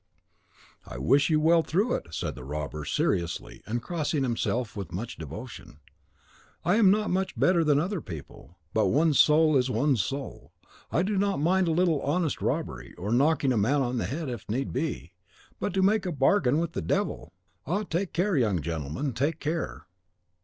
"I wish you well through it," said the robber, seriously, and crossing himself with much devotion; "I am not much better than other people, but one's soul is one's soul. I do not mind a little honest robbery, or knocking a man on the head if need be, but to make a bargain with the devil! Ah, take care, young gentleman, take care!"